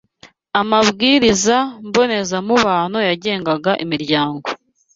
amabwiriza mbonezamubano yagengaga imiryango